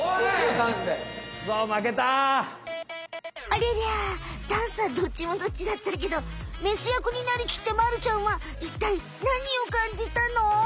ありゃりゃダンスはどっちもどっちだったけどメス役になりきってまるちゃんはいったいなにをかんじたの？